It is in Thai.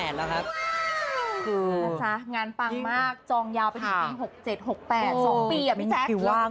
งานปังมากจองยาวไปถึงปี๖๗๖๘สองปีอ่ะพี่แจ๊ค